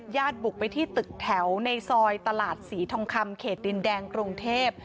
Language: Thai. บุกไปที่ตึกแถวในซอยตลาดศรีทองคำเขตดินแดงกรุงเทพ